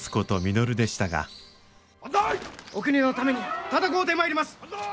お国のために戦うてまいります！